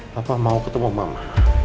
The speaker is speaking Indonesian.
papa mau ketemu mama